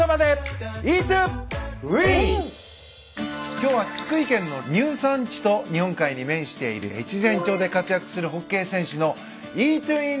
今日は福井県の丹生山地と日本海に面している越前町で活躍するホッケー選手のＥＡＴＴＯＷＩＮ